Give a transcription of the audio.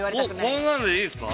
◆こんなんでいいですか。